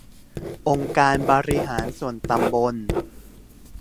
องค์การบริหารส่วนตำบล